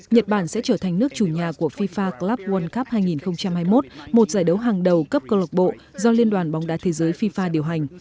nhật bản sẽ trở thành nước chủ nhà của fifa club world cup hai nghìn hai mươi một một giải đấu hàng đầu cấp cơ lộc bộ do liên đoàn bóng đá thế giới fifa điều hành